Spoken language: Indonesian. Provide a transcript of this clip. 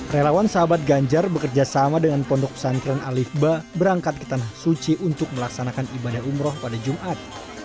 relawan sahabat ganjar bekerja sama dengan pondok pesantren alif ba berangkat ke tanah suci untuk melaksanakan ibadah umroh pada jumat